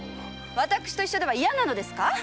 私と一緒では嫌なのですか？